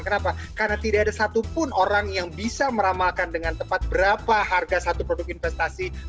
kenapa karena tidak ada satupun orang yang bisa meramalkan dengan tepat berapa harga satu produk investasi